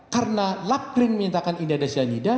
karena laprim memintakan ini ada cyanida